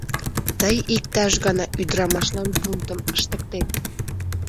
— Тый иктаж гана ӱдырамашлан бунтым ыштыктет.